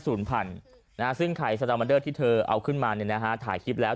สูญผันนะฮะซึ่งไข่ที่เธอเอาขึ้นมาเนี่ยนะฮะถ่ายแล้ว